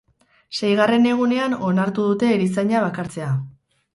Seigarren egunean onartu dute erizaina bakartzea.